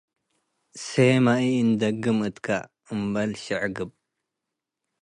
ሴመ ይእንደግም እትከ - አምበል ሽዕጋብ፣